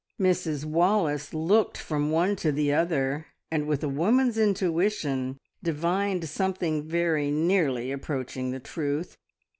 Mrs Wallace looked from one to the other, and with a woman's intuition divined something very nearly approaching the truth.